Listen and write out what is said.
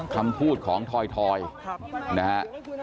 คำพูดของถอยนะฮะ